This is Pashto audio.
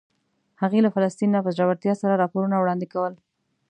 هغې له فلسطین نه په زړورتیا سره راپورونه وړاندې کول.